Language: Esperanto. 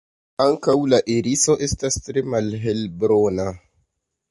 Ankaŭ la iriso estas tre malhelbruna.